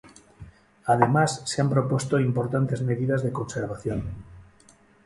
Además, se han propuesto importantes medidas de conservación.